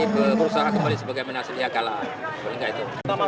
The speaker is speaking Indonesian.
berusaha kembali sebagai menasihnya kalah